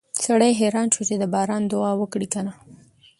سړی حیران شو چې د باران دعا وکړي که نه